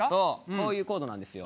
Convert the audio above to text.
こういうコードなんですよ。